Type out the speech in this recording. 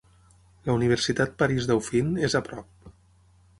La Universitat París-Dauphine és a prop.